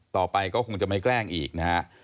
ต่อไปก็คงจะไม่แกล้งอีกนะฮะ